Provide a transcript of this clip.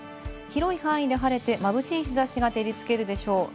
広い範囲で晴れて、まぶしい日差しが照りつけるでしょう。